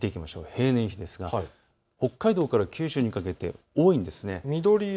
平年比ですが北海道から九州にかけて多いんです。